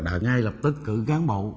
đã ngay lập tức cử cán bộ